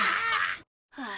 はあ。